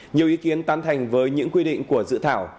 nhiều ý kiến tán thành với những quy định của dự thảo